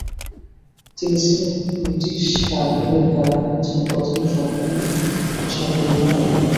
তিনি ছিলেন ব্রিটিশ কারাগারে কারারুদ্ধ প্রথম স্বাধীনতা সংগ্রামী নারী।